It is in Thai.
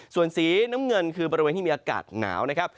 ส่วนสีน้ำเงินคือบริเวณที่มีอากาศหนาวนะครับ